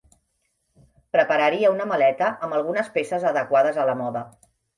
Prepararia una maleta amb algunes peces adequades a la moda.